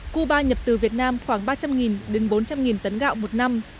cuba nhập từ việt nam khoảng ba trăm linh đến bốn trăm linh tấn gạo một năm